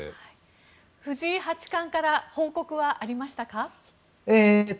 藤井八冠から報告はありましたか？